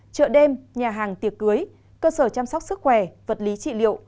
chợ đêm nhà hàng tiệc cưới cơ sở chăm sóc sức khỏe vật lý trị liệu